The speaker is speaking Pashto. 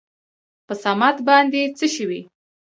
په صمد باندې څه شوي ؟